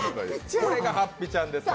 これがはっぴちゃんです。